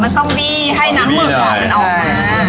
อ๋อมันต้องวี่ให้น้ำมึกกามมันออกมา